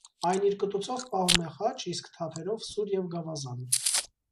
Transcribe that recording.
Այն իր կտուցով պահում է խաչ, իսկ թաթերով սուր և գավազան։